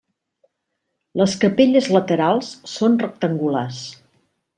Les capelles laterals són rectangulars.